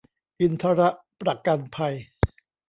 อินทรประกันภัย